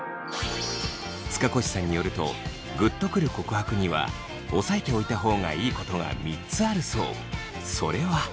塚越さんによるとグッとくる告白には押さえておいた方がいいことは３つあるそう。